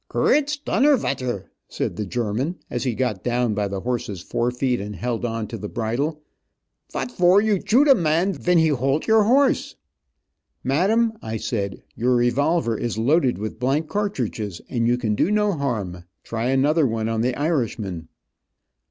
"Kritz dunnerwetter," said the German, as he got down by the horse's fore feet, and held on to the bridle, "vot vor you choot a man ven he holt your horse?" "Madame," I said, "your revolver is loaded with blank cartridges, and you can do no harm. Try another one on the Irishman."